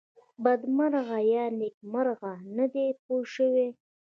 بدمرغه یا نېکمرغه نه دی پوه شوې!.